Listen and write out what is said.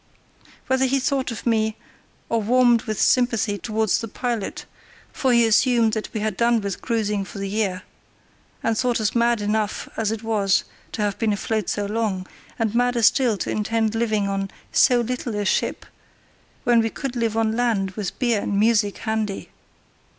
Whatever he thought of me, I warmed with sympathy towards the pilot, for he assumed that we had done with cruising for the year, and thought us mad enough as it was to have been afloat so long, and madder still to intend living on "so little a ship" when we could live on land with beer and music handy.